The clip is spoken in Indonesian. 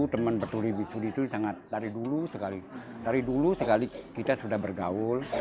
teman tuli bisu itu dari dulu sekali kita sudah bergaul